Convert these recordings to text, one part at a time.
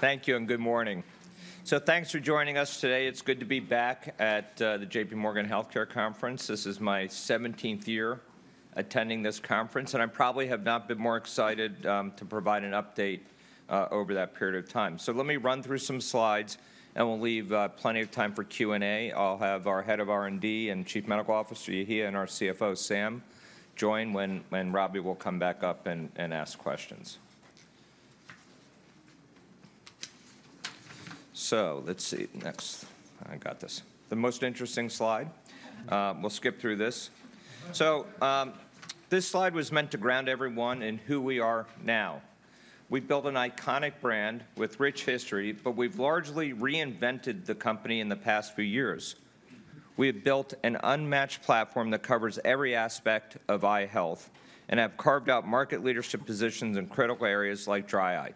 Thank you, and good morning. So thanks for joining us today. It's good to be back at the J.P. Morgan Healthcare Conference. This is my 17th year attending this conference, and I probably have not been more excited to provide an update over that period of time. So let me run through some slides, and we'll leave plenty of time for Q&A. I'll have our Head of R&D and Chief Medical Officer, Yehia, and our CFO, Sam, join, and Robbie will come back up and ask questions. So let's see. Next. I got this. The most interesting slide. We'll skip through this. So this slide was meant to ground everyone in who we are now. We've built an iconic brand with rich history, but we've largely reinvented the company in the past few years. We have built an unmatched platform that covers every aspect of eye health and have carved out market leadership positions in critical areas like dry eye.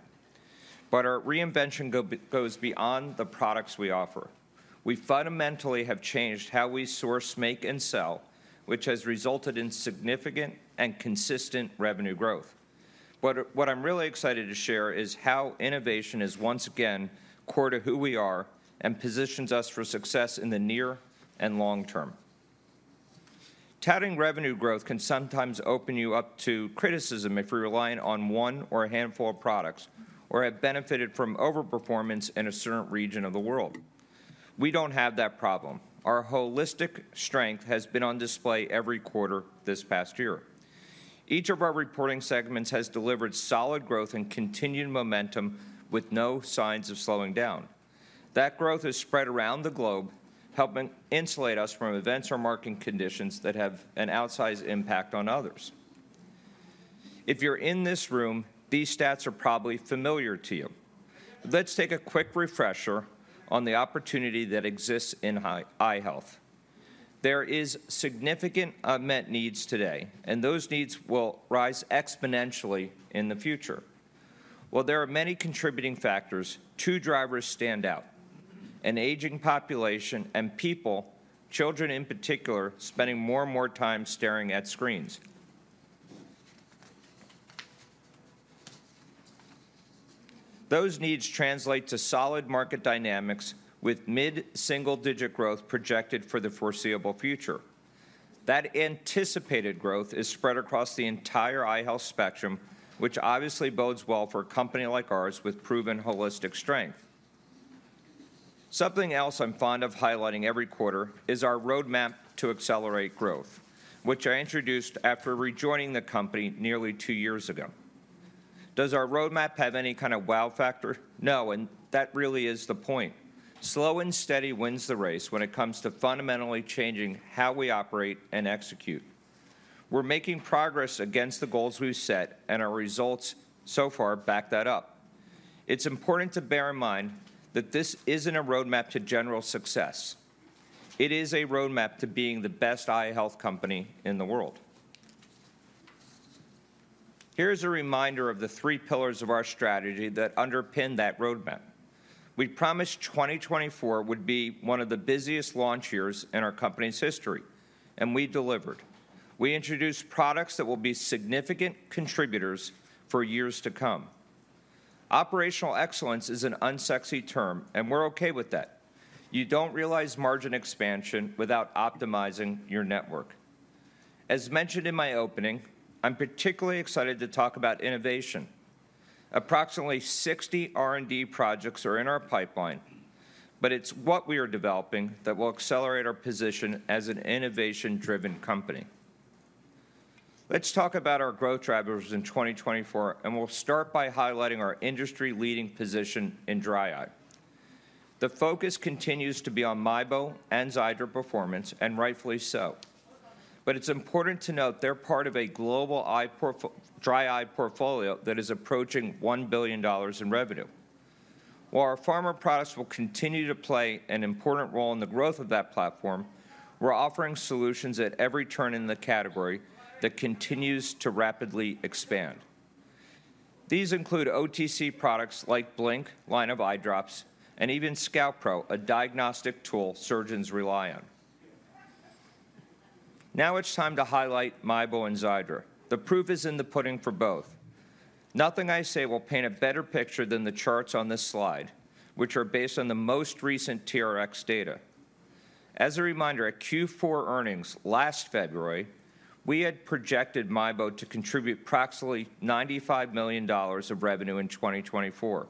But our reinvention goes beyond the products we offer. We fundamentally have changed how we source, make, and sell, which has resulted in significant and consistent revenue growth. But what I'm really excited to share is how innovation is once again core to who we are and positions us for success in the near and long term. Touting revenue growth can sometimes open you up to criticism if you're relying on one or a handful of products or have benefited from overperformance in a certain region of the world. We don't have that problem. Our holistic strength has been on display every quarter this past year. Each of our reporting segments has delivered solid growth and continued momentum with no signs of slowing down. That growth has spread around the globe, helping insulate us from events or market conditions that have an outsized impact on others. If you're in this room, these stats are probably familiar to you. Let's take a quick refresher on the opportunity that exists in eye health. There are significant unmet needs today, and those needs will rise exponentially in the future. While there are many contributing factors, two drivers stand out: an aging population and people, children in particular, spending more and more time staring at screens. Those needs translate to solid market dynamics with mid-single-digit growth projected for the foreseeable future. That anticipated growth is spread across the entire eye health spectrum, which obviously bodes well for a company like ours with proven holistic strength. Something else I'm fond of highlighting every quarter is our roadmap to accelerate growth, which I introduced after rejoining the company nearly two years ago. Does our roadmap have any kind of wow factor? No, and that really is the point. Slow and steady wins the race when it comes to fundamentally changing how we operate and execute. We're making progress against the goals we've set, and our results so far back that up. It's important to bear in mind that this isn't a roadmap to general success. It is a roadmap to being the best eye health company in the world. Here's a reminder of the three pillars of our strategy that underpin that roadmap. We promised 2024 would be one of the busiest launch years in our company's history, and we delivered. We introduced products that will be significant contributors for years to come. Operational excellence is an unsexy term, and we're okay with that. You don't realize margin expansion without optimizing your network. As mentioned in my opening, I'm particularly excited to talk about innovation. Approximately 60 R&D projects are in our pipeline, but it's what we are developing that will accelerate our position as an innovation-driven company. Let's talk about our growth drivers in 2024, and we'll start by highlighting our industry-leading position in dry eye. The focus continues to be on Miebo and Xiidra performance, and rightfully so. But it's important to note they're part of a global dry eye portfolio that is approaching $1 billion in revenue. While our pharma products will continue to play an important role in the growth of that platform, we're offering solutions at every turn in the category that continues to rapidly expand. These include OTC products like Blink line of eye drops, and even ScoutPro, a diagnostic tool surgeons rely on. Now it's time to highlight Miebo and Xiidra. The proof is in the pudding for both. Nothing I say will paint a better picture than the charts on this slide, which are based on the most recent TRx data. As a reminder, at Q4 earnings last February, we had projected Miebo to contribute approximately $95 million of revenue in 2024.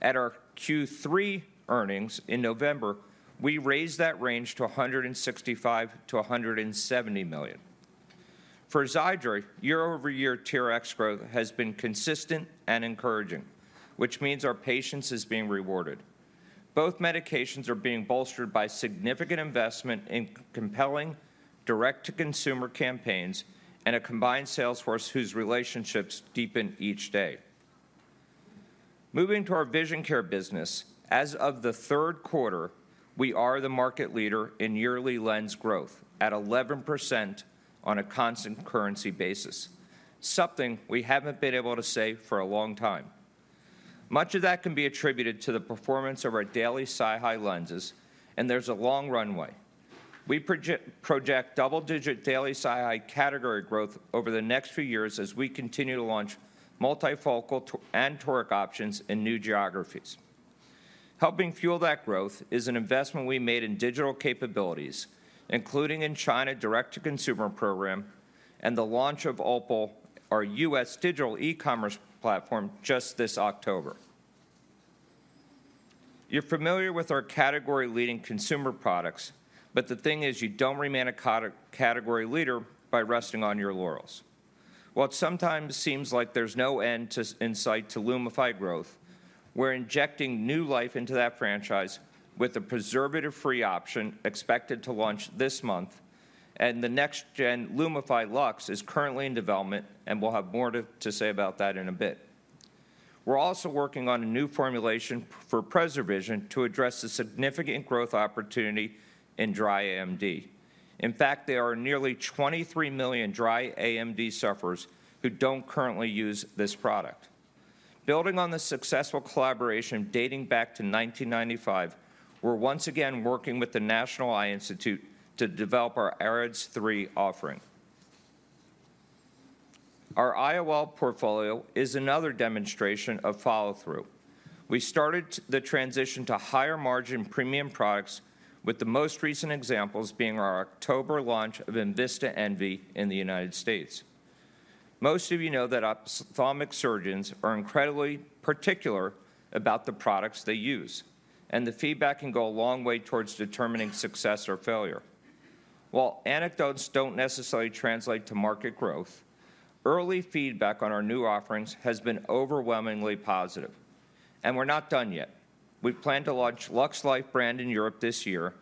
At our Q3 earnings in November, we raised that range to $165-$170 million. For Xiidra, year-over-year TRx growth has been consistent and encouraging, which means our patience is being rewarded. Both medications are being bolstered by significant investment in compelling direct-to-consumer campaigns and a combined sales force whose relationships deepen each day. Moving to our vision care business, as of the third quarter, we are the market leader in yearly lens growth at 11% on a constant currency basis, something we haven't been able to say for a long time. Much of that can be attributed to the performance of our Daily SiHy lenses, and there's a long runway. We project double-digit Daily SiHy category growth over the next few years as we continue to launch multifocal and toric options in new geographies. Helping fuel that growth is an investment we made in digital capabilities, including in China direct-to-consumer program and the launch of Opal, our U.S. digital e-commerce platform, just this October. You're familiar with our category-leading consumer products, but the thing is, you don't remain a category leader by resting on your laurels. While it sometimes seems like there's no end in sight to Lumify growth, we're injecting new life into that franchise with a preservative-free option expected to launch this month, and the next-gen Lumify Luxe is currently in development, and we'll have more to say about that in a bit. We're also working on a new formulation for PreserVision to address the significant growth opportunity in dry AMD. In fact, there are nearly 23 million dry AMD sufferers who don't currently use this product. Building on the successful collaboration dating back to 1995, we're once again working with the National Eye Institute to develop our AREDS3 offering. Our IOL portfolio is another demonstration of follow-through. We started the transition to higher-margin premium products, with the most recent examples being our October launch of enVista Envy in the United States. Most of you know that ophthalmic surgeons are incredibly particular about the products they use, and the feedback can go a long way toward determining success or failure. While anecdotes don't necessarily translate to market growth, early feedback on our new offerings has been overwhelmingly positive, and we're not done yet. We plan to launch Lumify Luxe brand in Europe this year,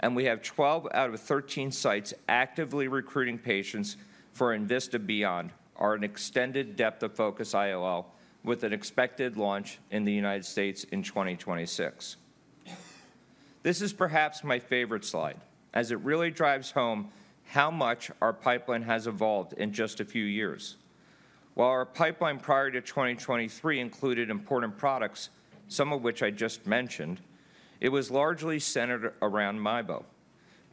and we have 12 out of 13 sites actively recruiting patients for enVista Beyond, our extended depth of focus IOL, with an expected launch in the United States in 2026. This is perhaps my favorite slide, as it really drives home how much our pipeline has evolved in just a few years. While our pipeline prior to 2023 included important products, some of which I just mentioned, it was largely centered around Miebo.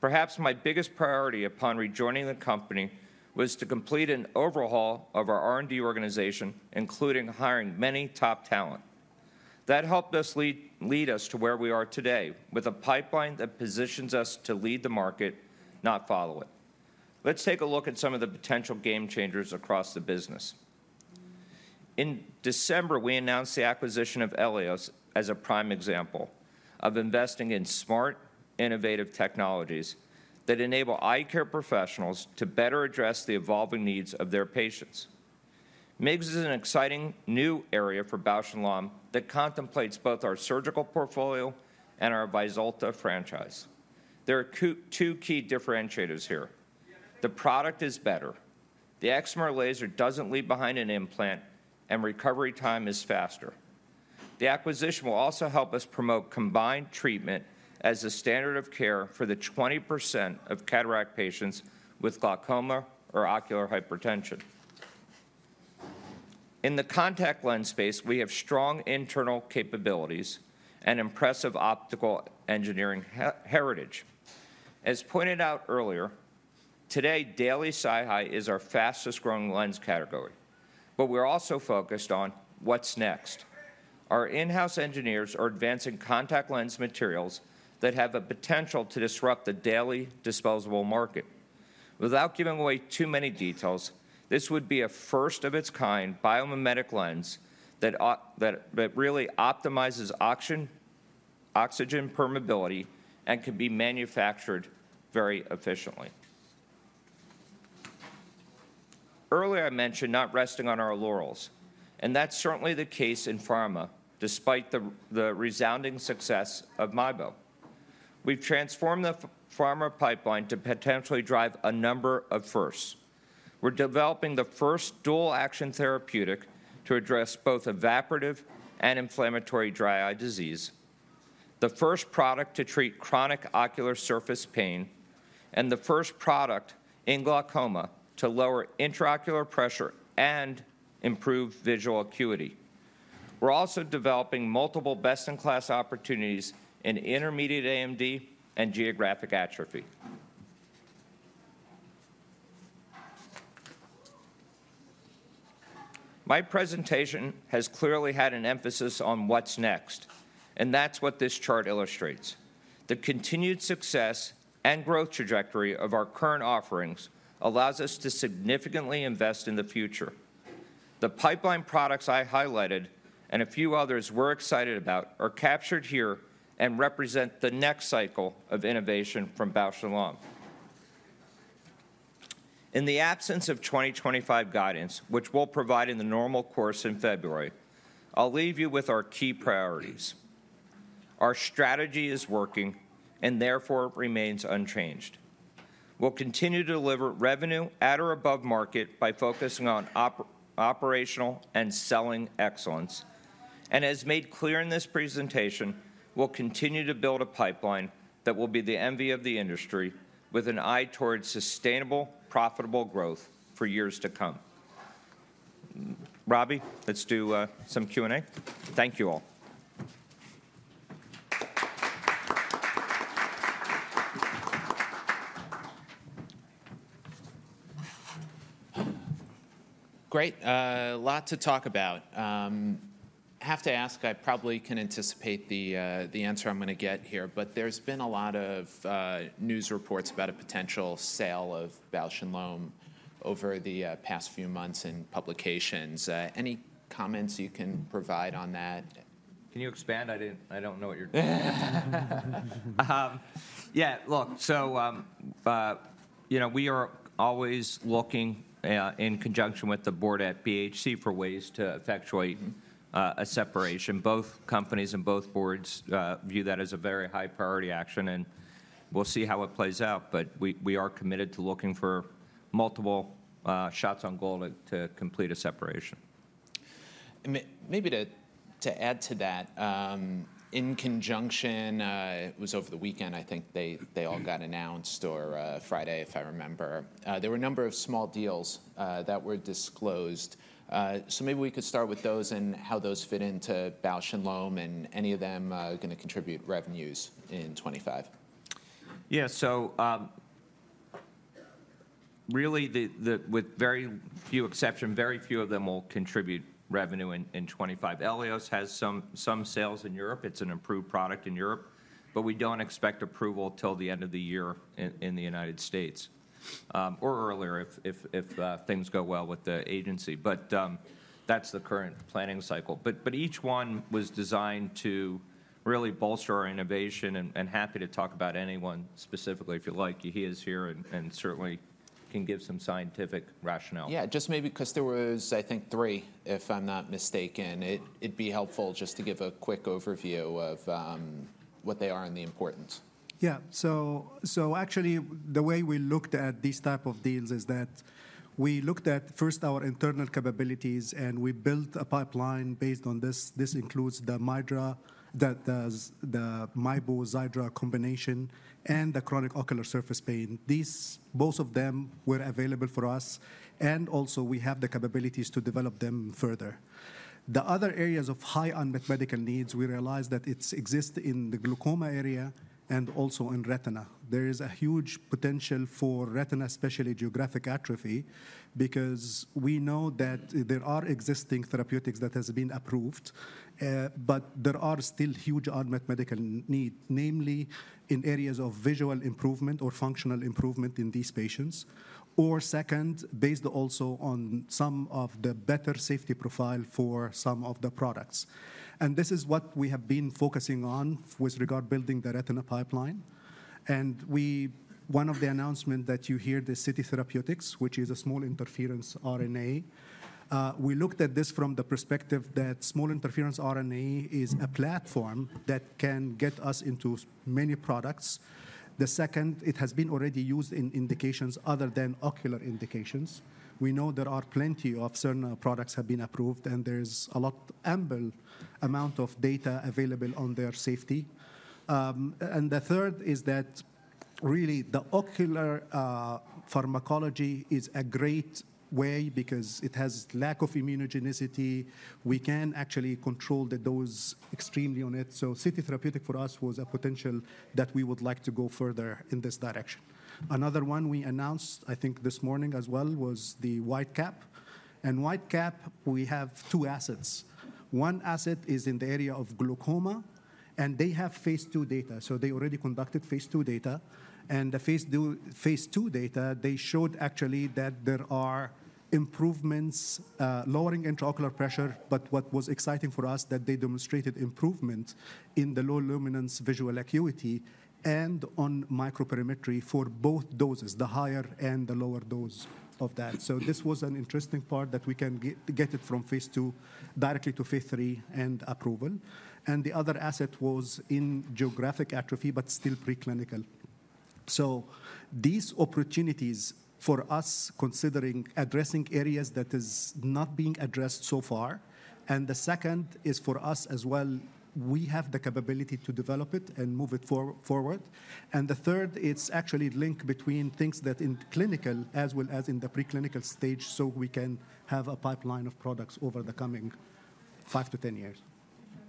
Perhaps my biggest priority upon rejoining the company was to complete an overhaul of our R&D organization, including hiring many top talent. That helped us lead us to where we are today, with a pipeline that positions us to lead the market, not follow it. Let's take a look at some of the potential game changers across the business. In December, we announced the acquisition of Elios as a prime example of investing in smart, innovative technologies that enable eye care professionals to better address the evolving needs of their patients. MIGS is an exciting new area for Bausch + Lomb that contemplates both our surgical portfolio and our Vyzulta franchise. There are two key differentiators here. The product is better. The excimer laser doesn't leave behind an implant, and recovery time is faster. The acquisition will also help us promote combined treatment as a standard of care for the 20% of cataract patients with glaucoma or ocular hypertension. In the contact lens space, we have strong internal capabilities and impressive optical engineering heritage. As pointed out earlier, today, Daily SiHy is our fastest-growing lens category, but we're also focused on what's next. Our in-house engineers are advancing contact lens materials that have the potential to disrupt the daily disposable market. Without giving away too many details, this would be a first-of-its-kind biomimetic lens that really optimizes oxygen permeability and can be manufactured very efficiently. Earlier, I mentioned not resting on our laurels, and that's certainly the case in pharma, despite the resounding success of Miebo. We've transformed the pharma pipeline to potentially drive a number of firsts. We're developing the first dual-action therapeutic to address both evaporative and inflammatory dry eye disease, the first product to treat chronic ocular surface pain, and the first product in glaucoma to lower intraocular pressure and improve visual acuity. We're also developing multiple best-in-class opportunities in intermediate AMD and geographic atrophy. My presentation has clearly had an emphasis on what's next, and that's what this chart illustrates. The continued success and growth trajectory of our current offerings allows us to significantly invest in the future. The pipeline products I highlighted and a few others we're excited about are captured here and represent the next cycle of innovation from Bausch + Lomb. In the absence of 2025 guidance, which we'll provide in the normal course in February, I'll leave you with our key priorities. Our strategy is working, and therefore it remains unchanged. We'll continue to deliver revenue at or above market by focusing on operational and selling excellence. And as made clear in this presentation, we'll continue to build a pipeline that will be the envy of the industry, with an eye towards sustainable, profitable growth for years to come. Robbie, let's do some Q&A. Thank you all. Great. A lot to talk about. I have to ask, I probably can anticipate the answer I'm going to get here, but there's been a lot of news reports about a potential sale of Bausch + Lomb over the past few months in publications. Any comments you can provide on that? Can you expand? I don't know what you're doing. Yeah, look, so we are always looking in conjunction with the board at BHC for ways to effectuate a separation. Both companies and both boards view that as a very high-priority action, and we'll see how it plays out, but we are committed to looking for multiple shots on goal to complete a separation. Maybe to add to that, in conjunction, it was over the weekend, I think they all got announced, or Friday, if I remember. There were a number of small deals that were disclosed. So maybe we could start with those and how those fit into Bausch + Lomb and any of them going to contribute revenues in 2025. Yeah, so really, with very few exceptions, very few of them will contribute revenue in 2025. Elios has some sales in Europe. It's an approved product in Europe, but we don't expect approval till the end of the year in the United States, or earlier if things go well with the agency. But that's the current planning cycle. But each one was designed to really bolster our innovation, and I'm happy to talk about anyone specifically if you like. Yehia is here and certainly can give some scientific rationale. Yeah, just maybe because there was, I think, three, if I'm not mistaken. It'd be helpful just to give a quick overview of what they are and the importance. Yeah, so actually, the way we looked at these types of deals is that we looked at first our internal capabilities, and we built a pipeline based on this. This includes the Miebo Xiidra combination and the chronic ocular surface pain. Both of them were available for us, and also we have the capabilities to develop them further. The other areas of high unmet medical needs, we realized that it exists in the glaucoma area and also in retina. There is a huge potential for retina, especially geographic atrophy, because we know that there are existing therapeutics that have been approved, but there are still huge unmet medical needs, namely in areas of visual improvement or functional improvement in these patients, or second, based also on some of the better safety profile for some of the products. This is what we have been focusing on with regard to building the retina pipeline. One of the announcements that you hear, the City Therapeutics, which is a small interference RNA, we looked at this from the perspective that small interference RNA is a platform that can get us into many products. The second, it has been already used in indications other than ocular indications. We know there are plenty of certain products that have been approved, and there's an ample amount of data available on their safety. The third is that really the ocular pharmacology is a great way because it has a lack of immunogenicity. We can actually control the dose extremely on it. City Therapeutics for us was a potential that we would like to go further in this direction. Another one we announced, I think this morning as well, was the WhiteCap. WideCap, we have two assets. One asset is in the area of glaucoma, and they have phase two data. They already conducted phase II data. And the phase II data, they showed actually that there are improvements, lowering intraocular pressure, but what was exciting for us that they demonstrated improvement in the low luminance visual acuity and on microperimetry for both doses, the higher and the lower dose of that. This was an interesting part that we can get it from phase II directly to phase three and approval. The other asset was in geographic atrophy, but still preclinical. These opportunities for us considering addressing areas that are not being addressed so far. The second is for us as well, we have the capability to develop it and move it forward. The third, it's actually linked between things that are in clinical as well as in the preclinical stage, so we can have a pipeline of products over the coming 5-10 years.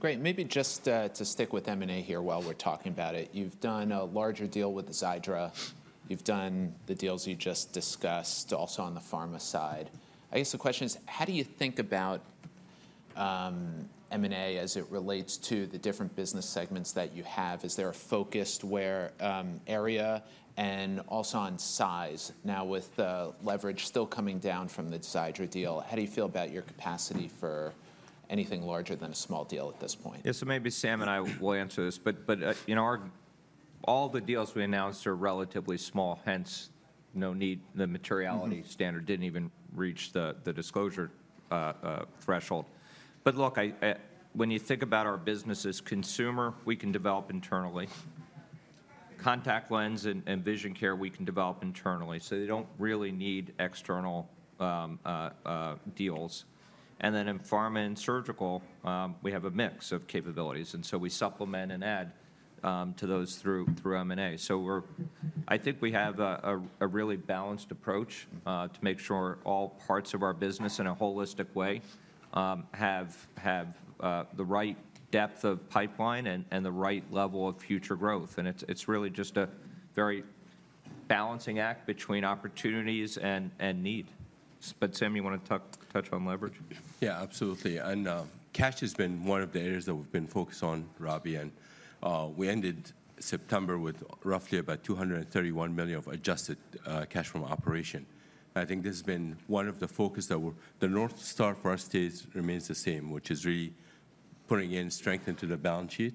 Great. Maybe just to stick with M&A here while we're talking about it, you've done a larger deal with Xiidra. You've done the deals you just discussed also on the pharma side. I guess the question is, how do you think about M&A as it relates to the different business segments that you have? Is there a focused area and also on size? Now, with the leverage still coming down from the Xiidra deal, how do you feel about your capacity for anything larger than a small deal at this point? Yeah, so maybe Sam and I will answer this, but all the deals we announced are relatively small, hence no need. The materiality standard didn't even reach the disclosure threshold. But look, when you think about our business as consumer, we can develop internally. Contact lens and vision care, we can develop internally. So they don't really need external deals. And then in pharma and surgical, we have a mix of capabilities. And so we supplement and add to those through M&A. So I think we have a really balanced approach to make sure all parts of our business in a holistic way have the right depth of pipeline and the right level of future growth. And it's really just a very balancing act between opportunities and need. But Sam, you want to touch on leverage? Yeah, absolutely. And cash has been one of the areas that we've been focused on, Robbie. And we ended September with roughly about $231 million of adjusted cash from operations. I think this has been one of the focuses that the North Star for us remains the same, which is really putting strength into the balance sheet.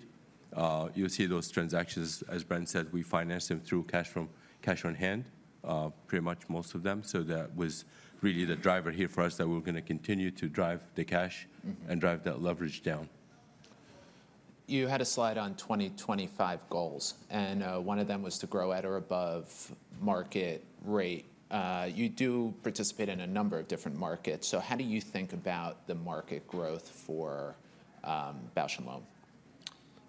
You'll see those transactions, as Brent said, we finance them through cash on hand, pretty much most of them. So that was really the driver here for us that we're going to continue to drive the cash and drive that leverage down. You had a slide on 2025 goals, and one of them was to grow at or above market rate. You do participate in a number of different markets. So how do you think about the market growth for Bausch + Lomb?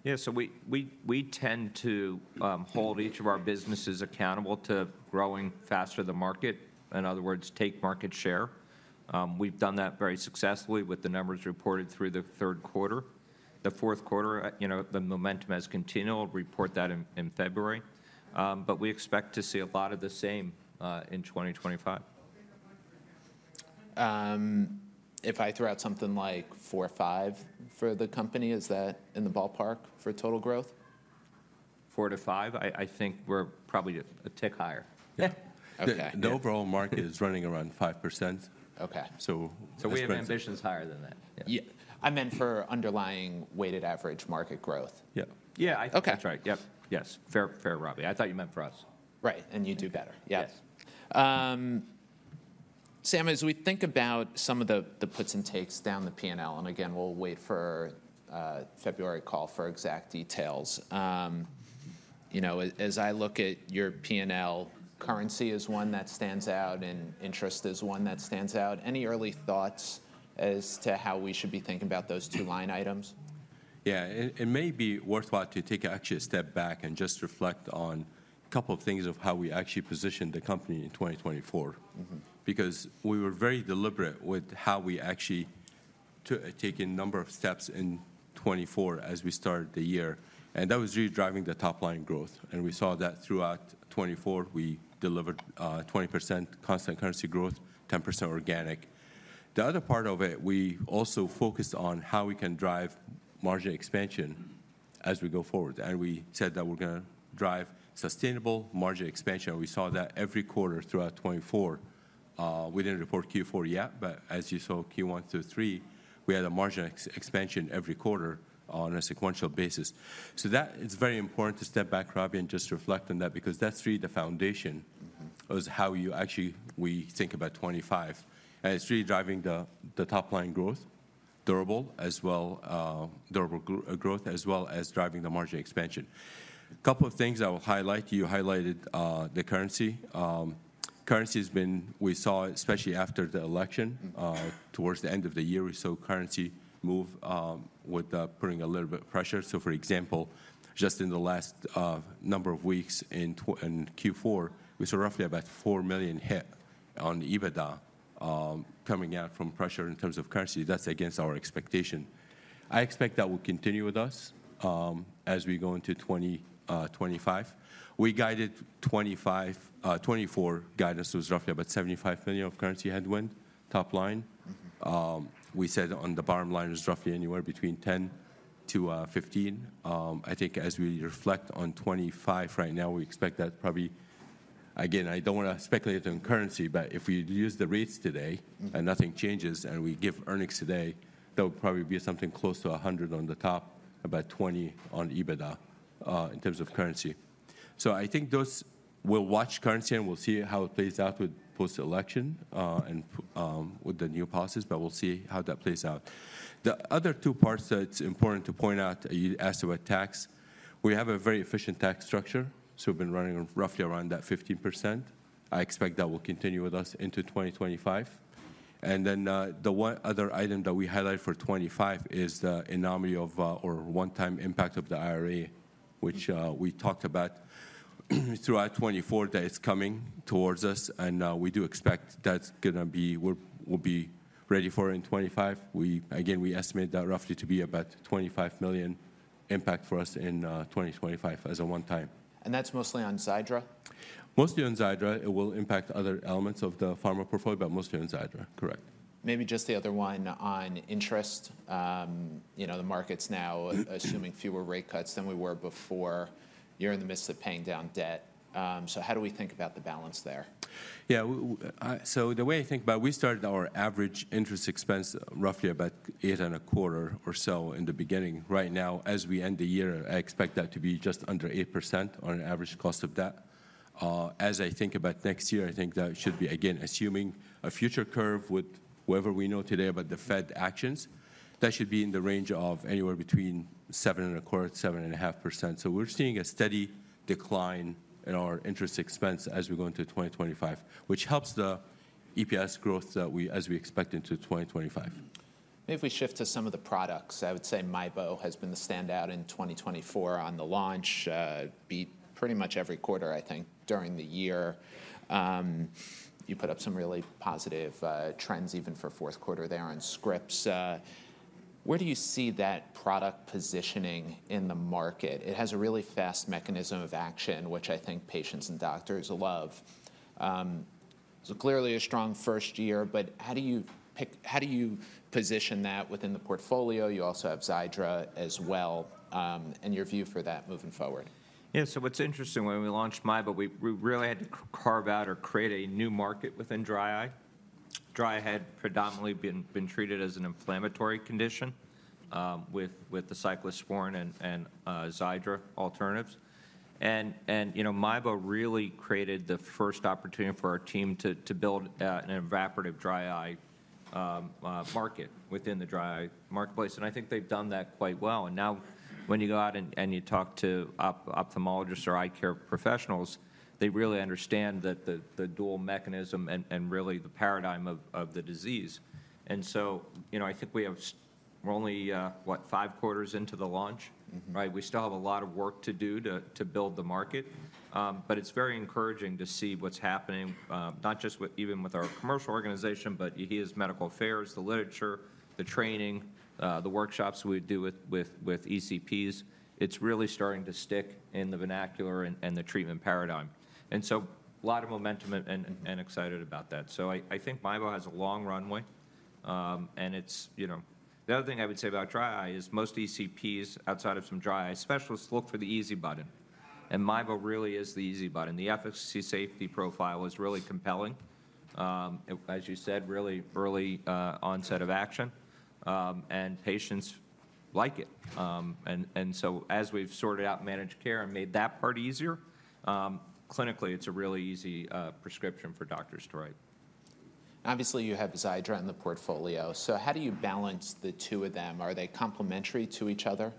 Yeah, so we tend to hold each of our businesses accountable to growing faster than the market. In other words, take market share. We've done that very successfully with the numbers reported through the third quarter. In the fourth quarter, the momentum has continued. We'll report that in February. But we expect to see a lot of the same in 2025. If I throw out something like four or five for the company, is that in the ballpark for total growth? Four to five, I think we're probably a tick higher. Yeah. The overall market is running around 5%. Okay. So we have ambitions higher than that. Yeah. I meant for underlying weighted average market growth. Yeah. Yeah, I think that's right. Yep. Yes. Fair, Robbie. I thought you meant for us. Right. And you do better. Yes. Sam, as we think about some of the puts and takes down the P&L, and again, we'll wait for February call for exact details. As I look at your P&L, currency is one that stands out, and interest is one that stands out. Any early thoughts as to how we should be thinking about those two line items? Yeah, it may be worthwhile to take actually a step back and just reflect on a couple of things of how we actually positioned the company in 2024. Because we were very deliberate with how we actually took a number of steps in 2024 as we started the year. And that was really driving the top line growth. And we saw that throughout 2024, we delivered 20% constant currency growth, 10% organic. The other part of it, we also focused on how we can drive margin expansion as we go forward. And we said that we're going to drive sustainable margin expansion. We saw that every quarter throughout 2024. We didn't report Q4 yet, but as you saw Q1 through 3, we had a margin expansion every quarter on a sequential basis. So that is very important to step back, Robbie, and just reflect on that, because that's really the foundation of how we actually think about 2025. And it's really driving the top line growth, durable as well, durable growth, as well as driving the margin expansion. A couple of things I will highlight. You highlighted the currency. Currency has been, we saw, especially after the election, towards the end of the year, we saw currency move with putting a little bit of pressure. So for example, just in the last number of weeks in Q4, we saw roughly about $4 million hit on EBITDA coming out from pressure in terms of currency. That's against our expectation. I expect that will continue with us as we go into 2025. We guided 2024 guidance was roughly about $75 million of currency headwind, top line. We said on the bottom line was roughly anywhere between 10-15. I think as we reflect on 2025 right now, we expect that probably, again, I don't want to speculate on currency, but if we use the rates today and nothing changes and we give earnings today, there will probably be something close to 100 on the top, about 20 on EBITDA in terms of currency. So I think we'll watch currency and we'll see how it plays out with post-election and with the new policies, but we'll see how that plays out. The other two parts that it's important to point out, you asked about tax. We have a very efficient tax structure. So we've been running roughly around that 15%. I expect that will continue with us into 2025. And then the one other item that we highlighted for 2025 is the anomaly or one-time impact of the IRA, which we talked about throughout 2024 that is coming towards us. And we do expect that's going to be. We'll be ready for in 2025. Again, we estimate that roughly to be about $25 million impact for us in 2025 as a one-time. That's mostly on Xiidra? Mostly on Xiidra. It will impact other elements of the pharma portfolio, but mostly on Xiidra. Correct. Maybe just the other one on interest. The market's now assuming fewer rate cuts than we were before. You're in the midst of paying down debt. So how do we think about the balance there? Yeah, so the way I think about, we started our average interest expense roughly about 8.25% or so in the beginning. Right now, as we end the year, I expect that to be just under 8% on average cost of debt. As I think about next year, I think that should be, again, assuming a future curve with whatever we know today about the Fed actions, that should be in the range of anywhere between 7.25%-7.5%. So we're seeing a steady decline in our interest expense as we go into 2025, which helps the EPS growth as we expect into 2025. Maybe if we shift to some of the products, I would say Miebo has been the standout in 2024 on the launch, beat pretty much every quarter, I think, during the year. You put up some really positive trends even for fourth quarter there on scripts. Where do you see that product positioning in the market? It has a really fast mechanism of action, which I think patients and doctors love. So clearly a strong first year, but how do you position that within the portfolio? You also have Xiidra as well. And your view for that moving forward? Yeah, so what's interesting, when we launched Miebo, we really had to carve out or create a new market within dry eye. Dry eye had predominantly been treated as an inflammatory condition with the cyclosporine and Xiidra alternatives. And Miebo really created the first opportunity for our team to build an evaporative dry eye market within the dry eye marketplace. And I think they've done that quite well. And now when you go out and you talk to ophthalmologists or eye care professionals, they really understand the dual mechanism and really the paradigm of the disease. And so I think we have only, what, five quarters into the launch, right? We still have a lot of work to do to build the market. But it's very encouraging to see what's happening, not just even with our commercial organization, but we have medical affairs, the literature, the training, the workshops we do with ECPs. It's really starting to stick in the vernacular and the treatment paradigm. And so a lot of momentum and excited about that. So I think Miebo has a long runway. And the other thing I would say about dry eye is most ECPs outside of some dry eye specialists look for the easy button. And Miebo really is the easy button. The efficacy safety profile was really compelling. As you said, really early onset of action. And patients like it. And so as we've sorted out managed care and made that part easier, clinically, it's a really easy prescription for doctors to write. Obviously, you have Xiidra in the portfolio. So how do you balance the two of them? Are they complementary to each other?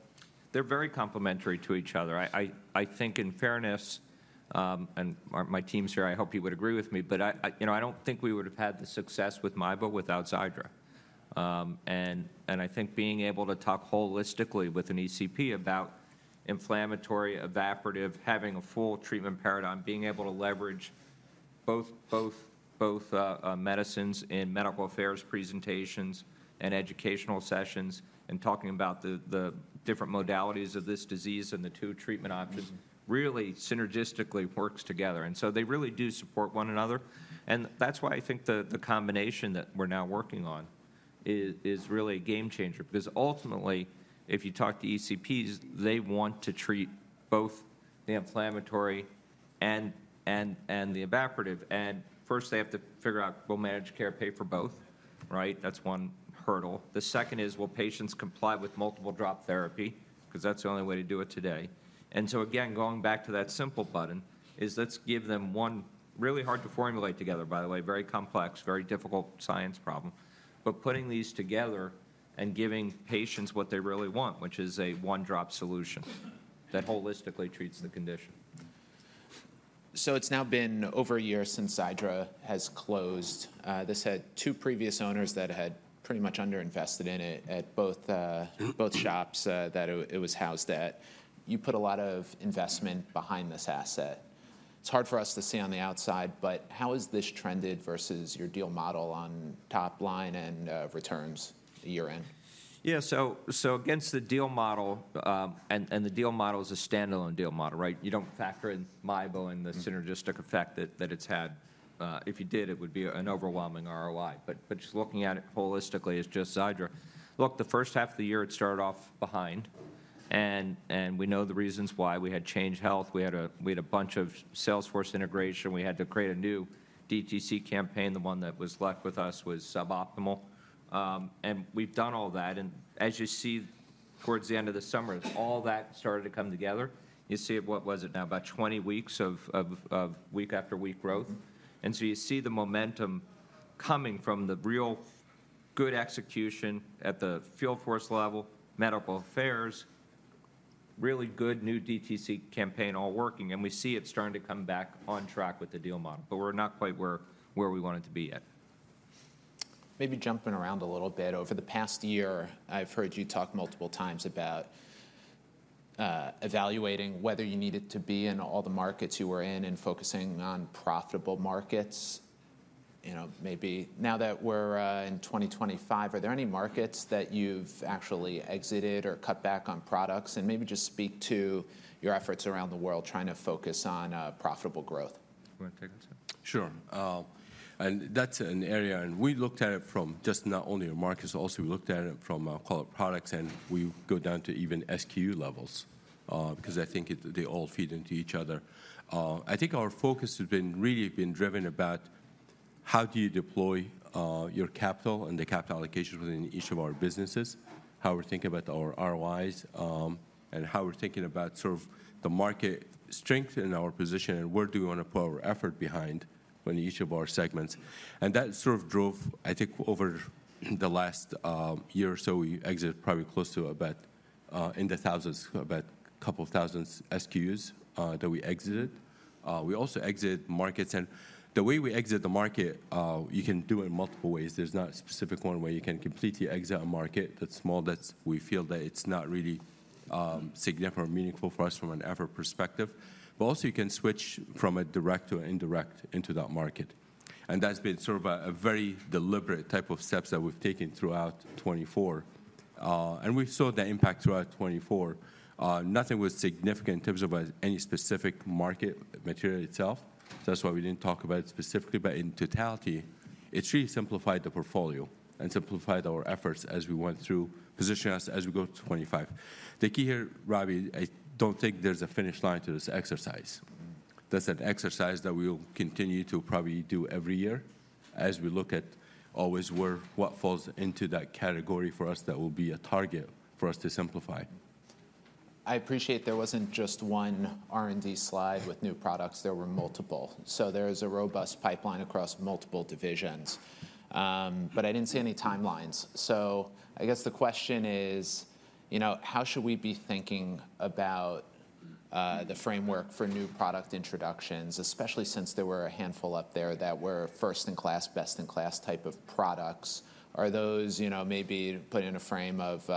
They're very complementary to each other. I think in fairness, and my team's here, I hope you would agree with me, but I don't think we would have had the success with Miebo without Xiidra. And I think being able to talk holistically with an ECP about inflammatory, evaporative, having a full treatment paradigm, being able to leverage both medicines in medical affairs presentations and educational sessions and talking about the different modalities of this disease and the two treatment options really synergistically works together. And so they really do support one another. And that's why I think the combination that we're now working on is really a game changer. Because ultimately, if you talk to ECPs, they want to treat both the inflammatory and the evaporative. And first, they have to figure out, will managed care pay for both? Right? That's one hurdle. The second is, will patients comply with multiple drop therapy? Because that's the only way to do it today. And so again, going back to that simple button, is let's give them one really hard to formulate together, by the way, very complex, very difficult science problem. But putting these together and giving patients what they really want, which is a one-drop solution that holistically treats the condition. So it's now been over a year since Xiidra has closed. This had two previous owners that had pretty much underinvested in it at both shops that it was housed at. You put a lot of investment behind this asset. It's hard for us to see on the outside, but how has this trended versus your deal model on top line and returns year-end? Yeah, so against the deal model, and the deal model is a standalone deal model, right? You don't factor in Mibo and the synergistic effect that it's had. If you did, it would be an overwhelming ROI. But just looking at it holistically as just Xiidra, look, the first half of the year, it started off behind. And we know the reasons why. We had Change Healthcare. We had a bunch of Salesforce integration. We had to create a new DTC campaign. The one that was left with us was suboptimal. And we've done all that. And as you see towards the end of the summer, all that started to come together. You see what was it now? About 20 weeks of week-after-week growth. And so you see the momentum coming from the real good execution at the field force level, medical affairs, really good new DTC campaign all working. We see it starting to come back on track with the deal model. We're not quite where we wanted to be yet. Maybe jumping around a little bit. Over the past year, I've heard you talk multiple times about evaluating whether you needed to be in all the markets you were in and focusing on profitable markets. Maybe now that we're in 2025, are there any markets that you've actually exited or cut back on products, and maybe just speak to your efforts around the world trying to focus on profitable growth. Sure. And that's an area. And we looked at it from just not only your markets, but also we looked at it from our products. And we go down to even SKU levels. Because I think they all feed into each other. I think our focus has been really driven about how do you deploy your capital and the capital allocation within each of our businesses, how we're thinking about our ROIs, and how we're thinking about sort of the market strength in our position and where do we want to put our effort behind in each of our segments. And that sort of drove, I think, over the last year or so, we exited probably close to about in the thousands, about a couple of thousand SKUs that we exited. We also exited markets. And the way we exit the market, you can do it in multiple ways. There's not a specific one where you can completely exit a market that's small that we feel that it's not really significant or meaningful for us from an effort perspective, but also you can switch from a direct to an indirect into that market, and that's been sort of a very deliberate type of steps that we've taken throughout 2024, and we saw the impact throughout 2024. Nothing was significant in terms of any specific market material itself, that's why we didn't talk about it specifically, but in totality, it's really simplified the portfolio and simplified our efforts as we went through, positioned us as we go to 2025. The key here, Robbie, I don't think there's a finish line to this exercise. That's an exercise that we will continue to probably do every year as we look at always what falls into that category for us that will be a target for us to simplify. I appreciate there wasn't just one R&D slide with new products. There were multiple. So there is a robust pipeline across multiple divisions. But I didn't see any timelines. So I guess the question is, how should we be thinking about the framework for new product introductions, especially since there were a handful up there that were first-in-class, best-in-class type of products? Are those maybe put in a frame of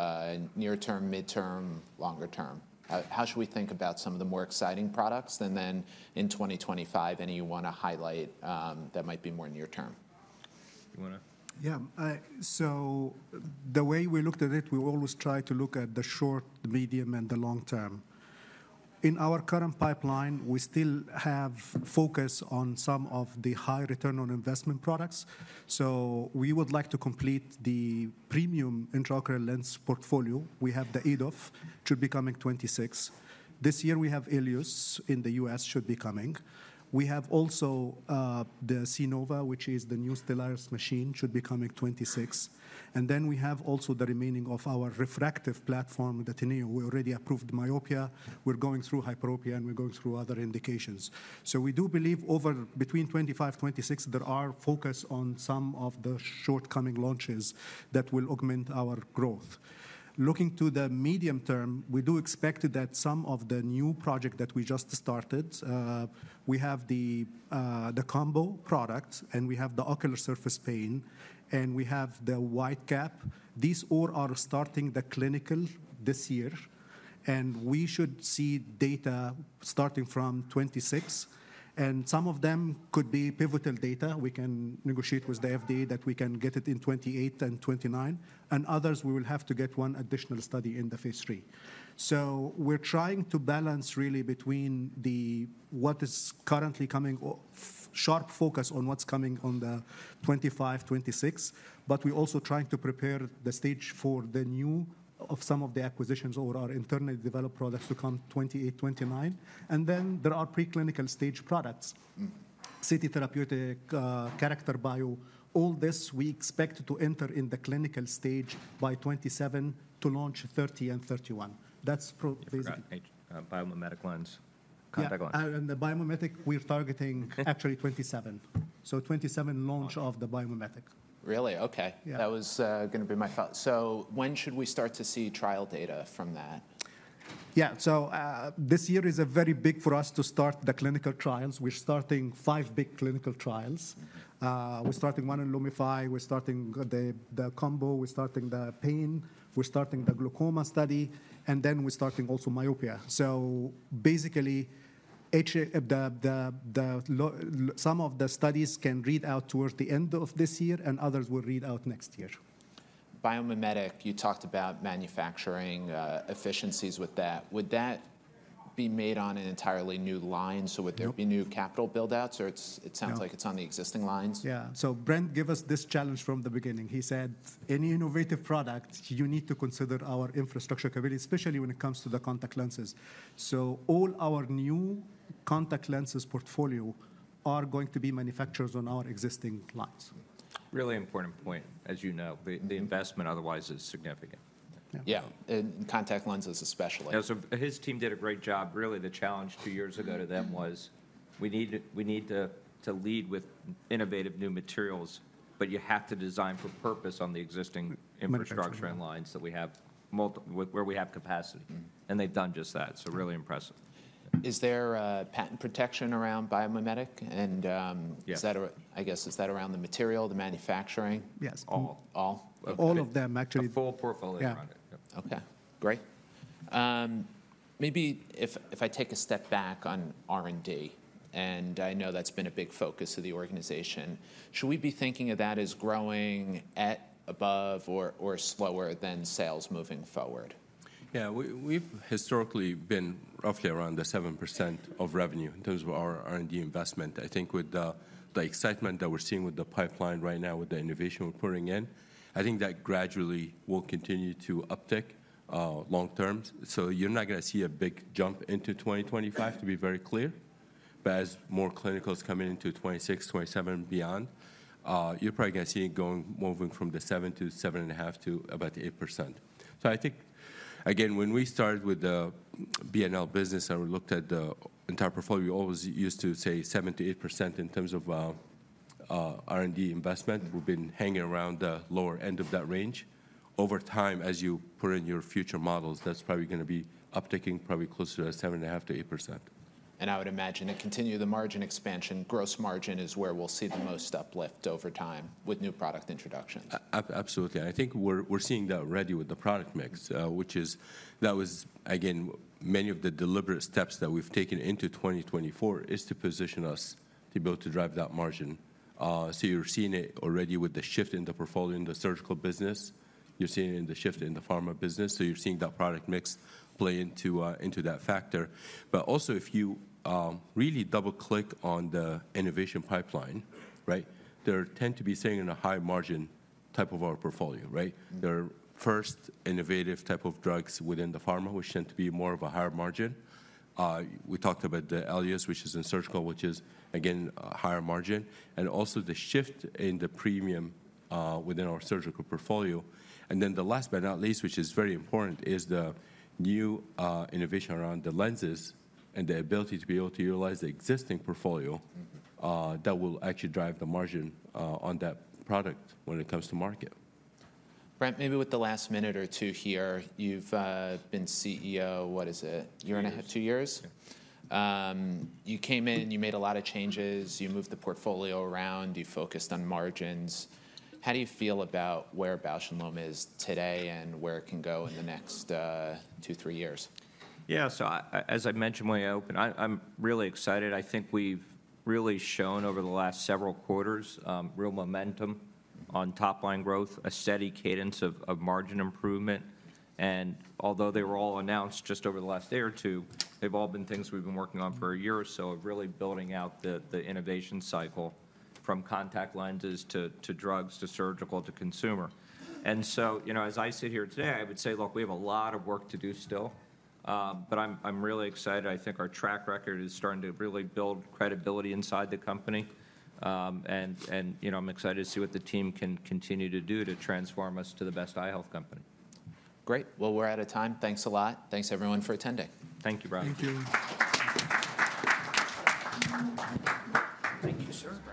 near-term, mid-term, longer-term? How should we think about some of the more exciting products? And then in 2025, any you want to highlight that might be more near-term? You want to? Yeah. So the way we looked at it, we always try to look at the short, the medium, and the long term. In our current pipeline, we still have focus on some of the high return on investment products. So we would like to complete the premium intraocular lens portfolio. We have the EDOF, should be coming 2026. This year we have Elios in the U.S., should be coming. We have also the SeeNova, which is the new Stellaris machine, should be coming 2026. And then we have also the remaining of our refractive platform, the TENEO. We already approved myopia. We're going through hyperopia and we're going through other indications. So we do believe over between 2025, 2026, there are focus on some of the short-term launches that will augment our growth. Looking to the medium term, we do expect that some of the new project that we just started, we have the combo product and we have the ocular surface pain and we have the wide cap. These all are starting the clinical this year. And we should see data starting from 2026. And some of them could be pivotal data. We can negotiate with the FDA that we can get it in 2028 and 2029. And others, we will have to get one additional study in the phase three. So we're trying to balance really between what is currently coming, sharp focus on what's coming on the 2025, 2026. But we're also trying to prepare the stage for the new of some of the acquisitions or our internally developed products to come 2028, 2029. And then there are preclinical-stage products, City Therapeutics, Character Biosciences. All this we expect to enter in the clinical stage by 2027 to launch 2030 and 2031. That's basically. Biomimetic lens. Contact lens. Yeah. And the biomimetic, we're targeting actually 2027. So 2027 launch of the biomimetic. Really? Okay. That was going to be my thought. So when should we start to see trial data from that? Yeah. So this year is very big for us to start the clinical trials. We're starting five big clinical trials. We're starting one in Lumify. We're starting the combo. We're starting the pain. We're starting the glaucoma study. And then we're starting also myopia. So basically, some of the studies can read out towards the end of this year and others will read out next year. Biomimetic, you talked about manufacturing efficiencies with that. Would that be made on an entirely new line? So would there be new capital buildouts? Or it sounds like it's on the existing lines? Yeah. So Brent gave us this challenge from the beginning. He said, "any innovative product, you need to consider our infrastructure capability, especially when it comes to the contact lenses." So all our new contact lenses portfolio are going to be manufactured on our existing lines. Really important point, as you know. The investment otherwise is significant. Yeah, and contact lenses especially. Yeah. So his team did a great job. Really, the challenge two years ago to them was we need to lead with innovative new materials, but you have to design for purpose on the existing infrastructure and lines that we have where we have capacity. And they've done just that. So really impressive. Is there patent protection around biomimetic? And I guess, is that around the material, the manufacturing? Yes. All? All of them, actually. A full portfolio on it. Okay. Great. Maybe if I take a step back on R&D, and I know that's been a big focus of the organization, should we be thinking of that as growing at, above, or slower than sales moving forward? Yeah. We've historically been roughly around the 7% of revenue in terms of our R&D investment. I think with the excitement that we're seeing with the pipeline right now with the innovation we're putting in, I think that gradually will continue to uptick long term. So you're not going to see a big jump into 2025, to be very clear. But as more clinicals come into 2026, 2027, beyond, you're probably going to see it moving from the 7%-7.5% to about 8%. So I think, again, when we started with the B&L business and we looked at the entire portfolio, we always used to say 7%-8% in terms of R&D investment. We've been hanging around the lower end of that range. Over time, as you put in your future models, that's probably going to be upticking probably closer to 7.5%-8%. I would imagine to continue the margin expansion, gross margin is where we'll see the most uplift over time with new product introductions. Absolutely. I think we're seeing that already with the product mix, which is, again, many of the deliberate steps that we've taken into 2024 is to position us to be able to drive that margin. So you're seeing it already with the shift in the portfolio in the surgical business. You're seeing it in the shift in the pharma business. So you're seeing that product mix play into that factor. But also, if you really double-click on the innovation pipeline, right, there tend to be staying in a high margin type of our portfolio, right? There are first innovative type of drugs within the pharma, which tend to be more of a higher margin. We talked about the Elios, which is in surgical, which is, again, a higher margin. And also the shift in the premium within our surgical portfolio. And then the last but not least, which is very important, is the new innovation around the lenses and the ability to be able to utilize the existing portfolio that will actually drive the margin on that product when it comes to market. Brent, maybe with the last minute or two here, you've been CEO, what is it, year and a half, two years? You came in, you made a lot of changes, you moved the portfolio around, you focused on margins. How do you feel about where Bausch + Lomb is today and where it can go in the next two, three years? Yeah. So as I mentioned when I opened, I'm really excited. I think we've really shown over the last several quarters real momentum on top line growth, a steady cadence of margin improvement. And although they were all announced just over the last day or two, they've all been things we've been working on for a year or so, really building out the innovation cycle from contact lenses to drugs to surgical to consumer. And so as I sit here today, I would say, look, we have a lot of work to do still. But I'm really excited. I think our track record is starting to really build credibility inside the company. And I'm excited to see what the team can continue to do to transform us to the best eye health company. Great. Well, we're out of time. Thanks a lot. Thanks, everyone, for attending. Thank you, Robbie. Thank you. Thank you, sir.